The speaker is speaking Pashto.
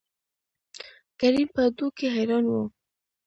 کريم په دو کې حيران وو.